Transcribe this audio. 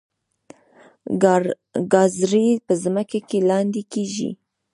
ګازرې په ځمکه کې لاندې کیږي